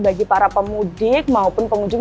bagi para pemudik maupun pengunjung